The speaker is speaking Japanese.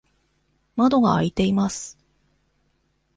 窓が開いています。